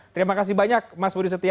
terima kasih banyak mas budi setia